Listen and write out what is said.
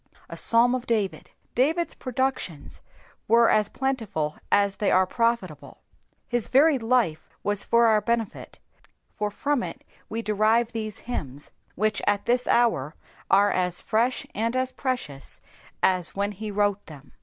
A Psalm of David. David's productions were as j^iHful as they are profUable. His varied life was for our ben^, for from U we derive these hymns, which at this hour are as fresh and as precious as when he wrote them.